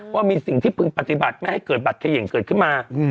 ว่ามีสิ่งที่พึงปฏิบัติไม่ให้เกิดบัตรเขย่งเกิดขึ้นมา